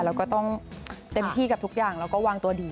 แล้วก็ต้องเต็มที่กับทุกอย่างแล้วก็วางตัวดี